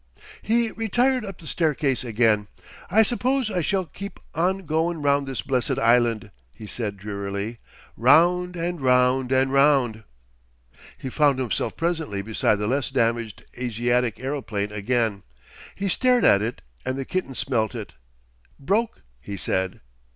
He retired up the staircase again. "I s'pose I shall keep on goin' round this blessed island," he said drearily. "Round and round and round." He found himself presently beside the less damaged Asiatic aeroplane again. He stared at it and the kitten smelt it. "Broke!" he said.